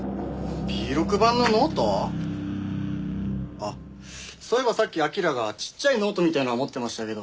あっそういえばさっき彬がちっちゃいノートみたいなの持ってましたけど。